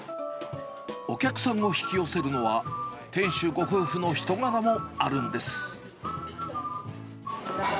お客さんを引き寄せるのは、店主ご夫婦の人柄もあるんです。